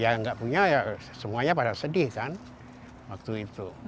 ya tidak punya semuanya pada sedih kan waktu itu